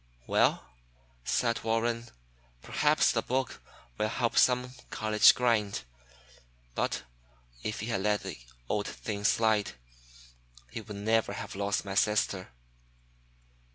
"Well," sighed Warren, "perhaps the book will help some college grind, but if he had let the old thing slide, he would never have lost my sister."